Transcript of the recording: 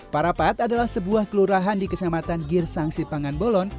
parapat adalah sebuah kelurahan di kecamatan girsang sipangan bolon